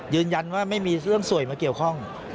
ยืนยันว่าไม่มีเรื่องสวยมาเกี่ยวข้อง